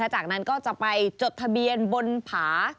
จากนั้นก็จะไปจดทะเบียนบนผา